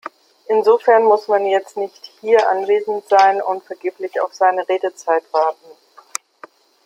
Insofern muss man jetzt nicht hier anwesend sein und vergeblich auf seine Redezeit warten.